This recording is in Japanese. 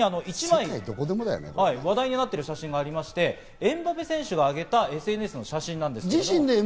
さらに、話題になっている写真がありまして、エムバペ選手があげたＳＮＳの写真です。